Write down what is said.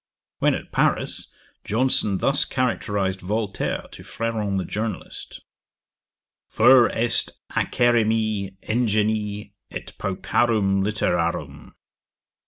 When at Paris, Johnson thus characterised Voltaire to Freron the Journalist: '_Vir est acerrimi ingenii et paucarum literarum!